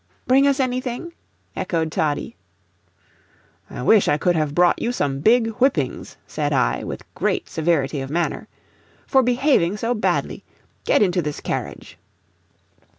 "Bring us anything?" echoed Toddie. "I wish I could have brought you some big whippings," said I, with great severity of manner, "for behaving so badly. Get into this carriage."